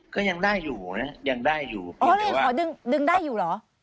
ก็ยังได้อยู่